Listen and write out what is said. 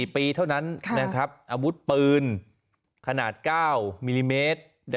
๔ปีเท่านั้นอาวุธปืนขนาด๙มิลลิเมตร